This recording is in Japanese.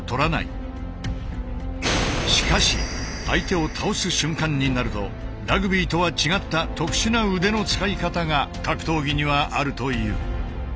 しかし相手を倒す瞬間になるとラグビーとは違った特殊な腕の使い方が格闘技にはあるという。